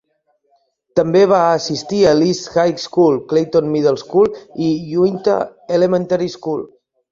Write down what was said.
També va assistir a l'East High School, Clayton Middle School i Uintah Elementary School.